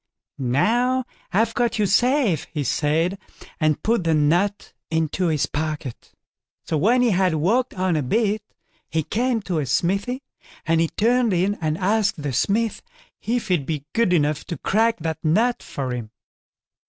"Now, I've got you safe", he said, and put the nut into his pocket. So when he had walked on a bit, he came to a smithy, and he turned in and asked the smith if he'd be good enough to crack that nut for him.